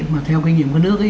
mà theo kinh nghiệm các nước